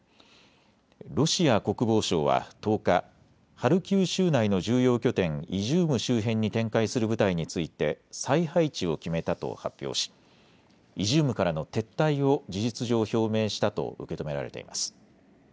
ロシア国防省は１０日、ハルキウ州内の重要拠点、イジューム周辺に展開する部隊について再配置を決めたと発表しイジュームからの撤退を事実上表明したと受け止められています。